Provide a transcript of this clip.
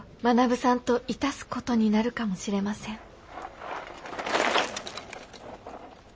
学さんと致すことになるかもしれません。